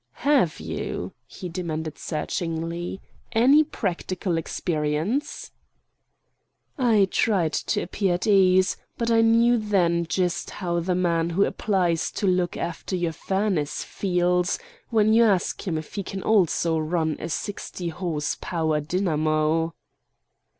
"Have you," he demanded searchingly, "any practical experience?" I tried to appear at ease; but I knew then just how the man who applies to look after your furnace feels, when you ask him if he can also run a sixty horse power dynamo.